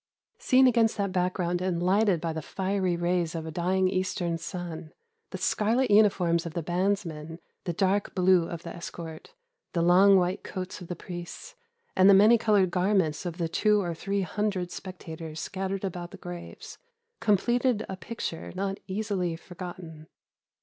Seen against that background and lighted by the fiery rays of a dying Eastern sun, the scarlet uniforms of the bandsmen, the dark blue of the escort, the long white coats of the priests, and the many coloured garments of the two or three hundred spectators scattered about the graves, completed a picture not easily forgotten.